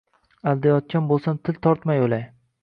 – Aldayotgan bo‘lsam, til tortmay o‘lay